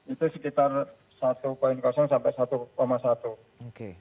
itu sekitar satu sampai satu satu